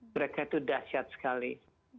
mereka itu dahsyat sekali